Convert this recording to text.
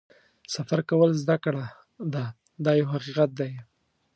سفر کول زده کړه ده دا یو حقیقت دی.